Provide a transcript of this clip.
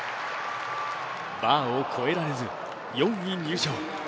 バーを越えられず、４位入賞。